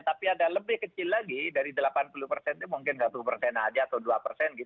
tapi ada lebih kecil lagi dari delapan puluh persen itu mungkin satu persen saja atau dua persen